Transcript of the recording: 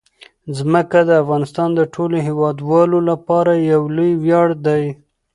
ځمکه د افغانستان د ټولو هیوادوالو لپاره یو لوی ویاړ دی.